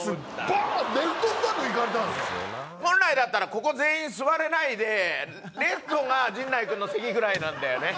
本来だったらここ全員座れないでレッドが陣内君の席ぐらいなんだよね。